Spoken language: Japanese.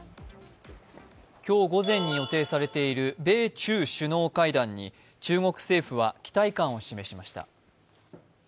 今日午前に予定されている米中首脳会談に中国政府は期待感を示しました。